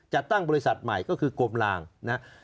จัดตั้งบริษัทใหม่ก็คือกลมลางนะฮะ